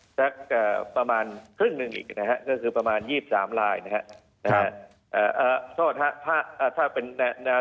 สักประมาณครึ่งหนึ่งอีกนะครับก็คือประมาณ๒๓ลายนะครับ